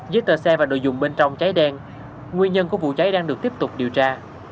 dưới tờ xe và nội dung bên trong cháy đen nguyên nhân của vụ cháy đang được tiếp tục điều tra